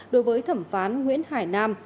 đối với thẩm phán nguyễn hải nam